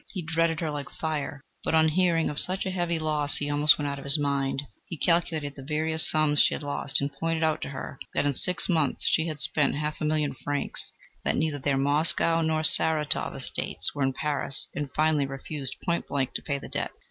He dreaded her like fire; but, on hearing of such a heavy loss, he almost went out of his mind; he calculated the various sums she had lost, and pointed out to her that in six months she had spent half a million francs, that neither their Moscow nor Saratov estates were in Paris, and finally refused point blank to pay the debt.